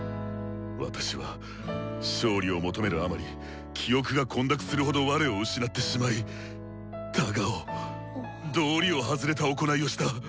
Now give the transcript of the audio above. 私は勝利を求めるあまり記憶が混濁するほど我を失ってしまいタガを道理を外れた行いをした。